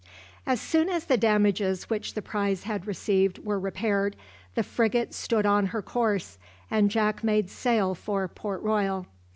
As soon as the damages which the prize had received were repaired, the frigate stood on her course, and Jack made sail for Port Royal.